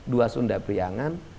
dua sunda priangan